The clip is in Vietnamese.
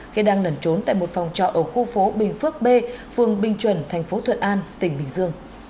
khi đang lẩn trốn tại một phòng trọ ở khu phố bình phước b phường bình chuẩn thành phố thuận an tỉnh bình dương